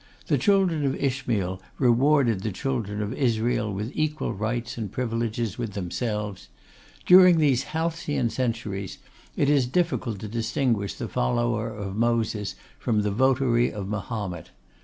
The children of Ishmael rewarded the children of Israel with equal rights and privileges with themselves. During these halcyon centuries, it is difficult to distinguish the follower of Moses from the votary of Mahomet.